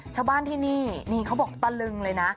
ชาวบ้านที่นี่นี่เขาบอกตะลึงเลยนะ